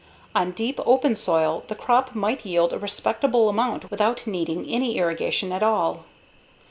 On deep, open soil the crop might yield a respectable amount without needing any irrigation at all.